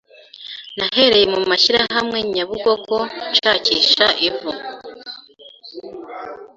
Nahereye mu mashyirahamwe Nyabugogo nshakisha ivu